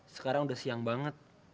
sekarang udah siang banget